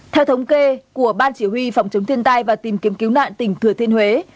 theo thống kê của ban chỉ huy phòng chống thiên tai và tìm kiếm cứu nạn tỉnh thừa thiên huế